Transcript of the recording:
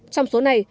trong số này